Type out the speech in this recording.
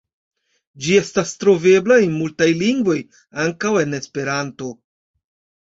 Ĝi estas trovebla en multaj lingvoj, ankaŭ en Esperanto.